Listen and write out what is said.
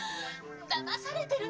だまされてるのよ